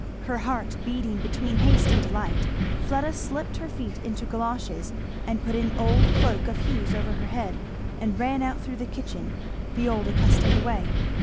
Her heart beating between haste and delight, Fleda slipped her feet into galoches and put an old cloak of Hugh's over her head, and ran out through the kitchen, the old accustomed way.